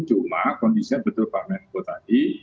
cuma kondisinya betul pak menko tadi